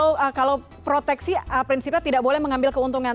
kalau proteksi prinsipnya tidak boleh mengambil keuntungan